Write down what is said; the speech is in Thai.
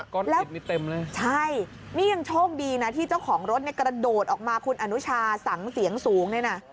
ก็เก็บนี่เต็มเลยใช่นี่ยังโชคดีนะที่เจ้าของรถเนี่ยกระโดดออกมาคุณอนุชาสังเสียงสูงเนี่ยนะ